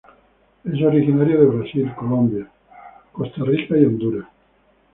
Es originario de Brasil, Colombia, Costa Rica y Honduras.